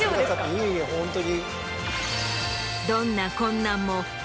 いえいえホントに。